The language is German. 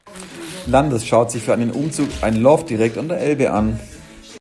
Landers schaut sich für einen Umzug ein Loft direkt an der Elbe an.